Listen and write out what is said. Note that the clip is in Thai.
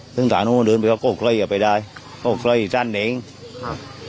เส้นทางนู้นว่าเดินไปก็โค้กไล่อ่ะไปได้โค้กไล่จ้านเดิงครับ